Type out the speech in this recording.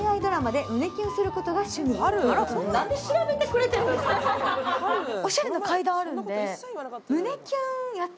なんで調べてくれてるんですかね。